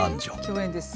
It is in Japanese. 共演です。